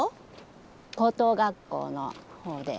高等学校の方で。